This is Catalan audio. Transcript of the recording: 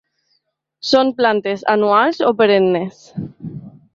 Són Plantes anuals o perennes.